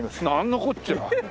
なんのこっちゃ。